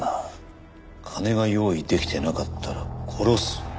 「金が用意できてなかったら殺す」